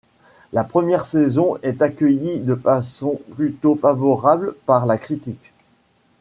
La première saison est accueillie de façon plutôt favorable par la critique.